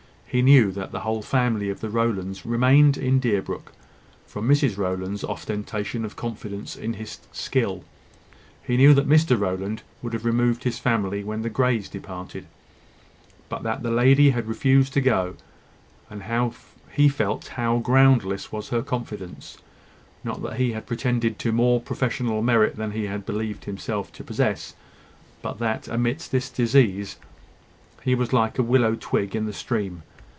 He knew that the whole family of the Rowlands remained in Deerbrook from Mrs Rowland's ostentation of confidence in his skill. He knew that Mr Rowland would have removed his family when the Greys departed, but that the lady had refused to go; and he felt how groundless was her confidence: not that he had pretended to more professional merit than he had believed himself to possess; but that, amidst this disease, he was like a willow twig in the stream.